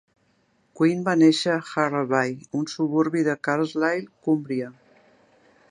Quinn va néixer a Harraby, un suburbi de Carlisle, Cumbria.